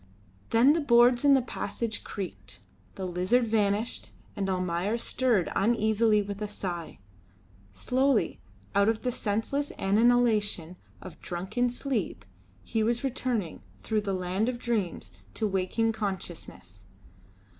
Then the boards in the passage creaked, the lizard vanished, and Almayer stirred uneasily with a sigh: slowly, out of the senseless annihilation of drunken sleep, he was returning, through the land of dreams, to waking consciousness.